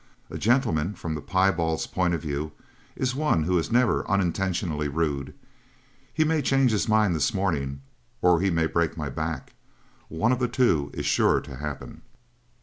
A gentleman from the piebald's point of view is one who is never unintentionally rude. He may change his mind this morning or he may break my back. One of the two is sure to happen."